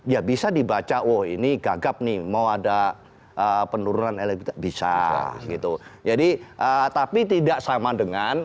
ya bisa dibaca oh ini gagap nih mau ada penurunan elektrik bisa gitu jadi tapi tidak sama dengan